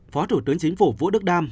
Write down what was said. phó thủ tướng chính phủ vũ đức đam